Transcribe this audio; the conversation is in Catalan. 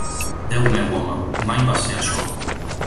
Déu meu, home, mai vas ser això.